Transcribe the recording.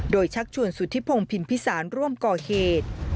โดยชักชวนสุธิพงศ์พินพิสารร่วมก่อเหตุ